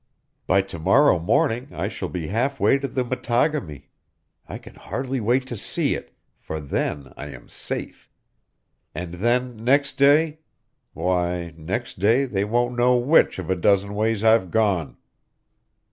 By to morrow morning I shall be half way to the Mattágami. I can hardly wait to see it, for then I am safe! And then next day why, next day they won't know which of a dozen ways I've gone!"